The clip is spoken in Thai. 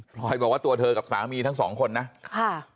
รอยบอกว่าตัวเธอกับสามีทั้งสองคนนะค่ะ